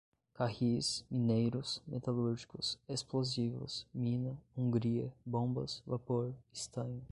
carris, mineiros, metalúrgicos, explosivos, mina, Hungria, bombas, vapor, estanho